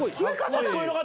初恋の方？